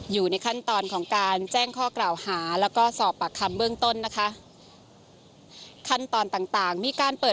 อยู่ในขั้นตอนของการแจ้งข้อกล่าวหาแล้วก็สอบปากคำเบื้องต้นนะคะขั้นตอนต่างต่างมีการเปิด